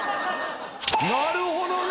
なるほどね！